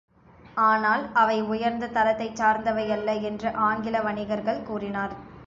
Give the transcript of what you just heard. ஆனால், அவை உயர்ந்த தரத்தைச் சார்ந்தவையல்ல என்று ஆங்கில்வணிகர்கள் கூறினர்.